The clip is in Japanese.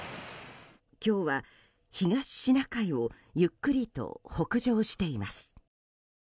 今日は東シナ海をゆっくりと北上しています。